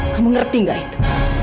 kamu ngerti gak itu